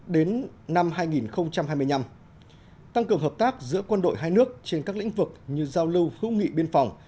đến năm hai nghìn hai mươi năm tăng cường hợp tác giữa quân đội hai nước trên các lĩnh vực như giao lưu hữu nghị biên phòng